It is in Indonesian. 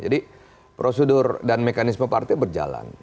jadi prosedur dan mekanisme partai berjalan